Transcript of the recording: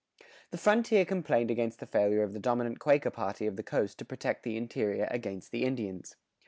[112:4] The frontier complained against the failure of the dominant Quaker party of the coast to protect the interior against the Indians.